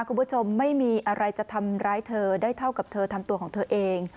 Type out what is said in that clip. คุณผู้ชมไม่มีอะไรจะทำร้ายเธอได้เท่ากับเธอทำตัวของเธอเอง